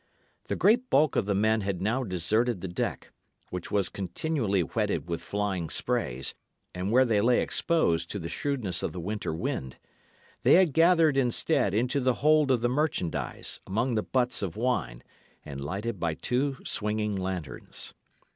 The great bulk of the men had now deserted the deck, which was continually wetted with the flying sprays, and where they lay exposed to the shrewdness of the winter wind. They had gathered, instead, into the hold of the merchandise, among the butts of wine, and lighted by two swinging lanterns.